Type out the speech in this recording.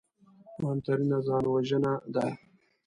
مهمترینه ځانوژنه ده